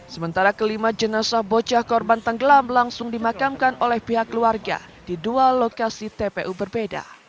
sementara kelima jenazah bocah korban tenggelam langsung dimakamkan oleh pihak keluarga di dua lokasi tpu berbeda